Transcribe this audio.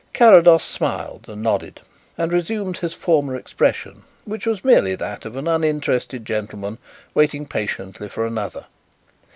Carrados smiled and nodded and resumed his former expression, which was merely that of an uninterested gentleman waiting patiently for another.